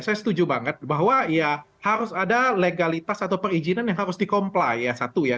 saya setuju banget bahwa ya harus ada legalitas atau perizinan yang harus di comply ya satu ya